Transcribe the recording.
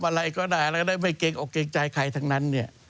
อะไรก็ได้แล้วก็ได้ไม่เกรงอกเกรงใจใครทั้งนั้นเนี่ย